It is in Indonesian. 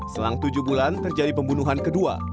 selang tujuh bulan terjadi pembunuhan kedua